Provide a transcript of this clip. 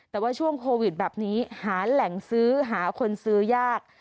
แต่ว่าช่วงโควิดแบบนี้หาแหล่งซื้อหาคนซื้อยาก